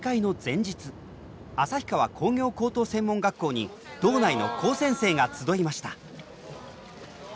旭川工業高等専門学校に道内の高専生が集いました。